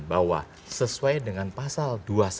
bahwa sesuai dengan pasal